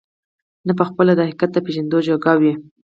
نه په خپله د حقيقت د پېژندو جوگه وي،